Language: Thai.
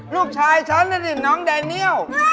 ลูกชายฉันน่ะดิน้องแดเนียล